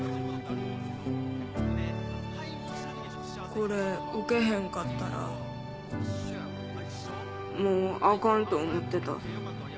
これウケへんかったらもうあかんと思ってた。